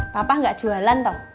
papa gak jualan toh